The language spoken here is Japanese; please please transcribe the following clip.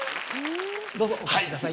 どうぞおかけください。